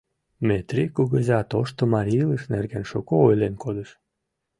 Метри кугыза тошто марий илыш нерген шуко ойлен кодыш.